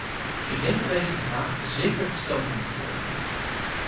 Ik denk dat deze vraag zeker gesteld dient te worden.